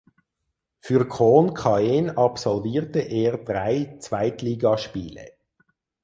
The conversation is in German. Für Khon Kaen absolvierte er drei Zweitligaspiele.